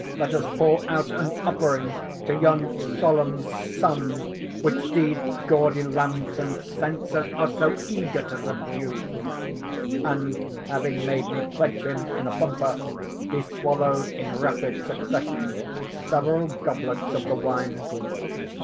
Let us pour out an offering to yon solemn sun which these gaudy lamps and censers are so eager to subdue!" And, having made me pledge him in a bumper, he swallowed in rapid succession several goblets of the wine.